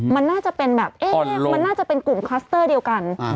มันน่าจะเป็นแบบเอ๊ะมันน่าจะเป็นกลุ่มคลัสเตอร์เดียวกัน